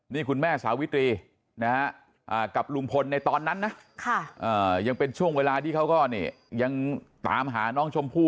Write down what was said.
นี่คุณแม่สาวิตรีกับลุงพลในตอนนั้นนะยังเป็นช่วงเวลาที่เขาก็ยังตามหาน้องชมพู่